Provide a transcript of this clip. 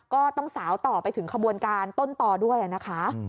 ก็ต้องสาวต่อไปถึงขบวนการต้นต่อด้วยนะคะ